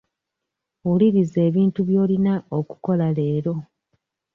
Wuliriza ebintu by'olina okukola leero.